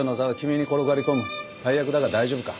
大役だが大丈夫か？